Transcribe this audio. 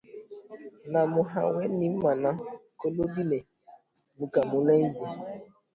na Muhawenimana Colodine Mukamulenzi